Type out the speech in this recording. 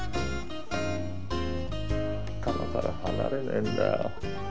頭から離れねえんだよ